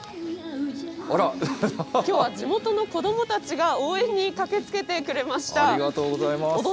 きょうは地元の子どもたちが応援に駆けつけてくれました。